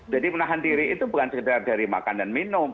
jadi menahan diri itu bukan sekedar dari makan dan minum